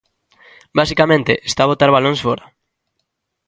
Basicamente está a botar balóns fóra.